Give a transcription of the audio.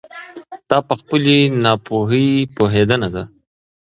دا په خپلې ناپوهي پوهېدنه ده.